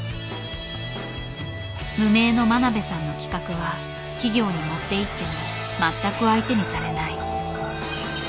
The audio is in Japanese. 無名の真鍋さんの企画は企業に持っていっても全く相手にされない。